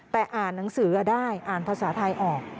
แต่อ่านหนังสือได้อ่านภาษาไทยออก